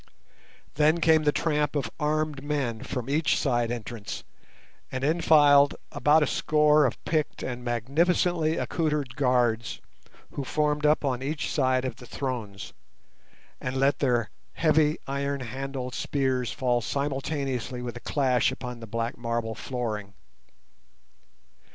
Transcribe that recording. Then came the tramp of armed men from each side entrance, and in filed about a score of picked and magnificently accoutred guards, who formed up on each side of the thrones, and let their heavy iron handled spears fall simultaneously with a clash upon the black marble flooring.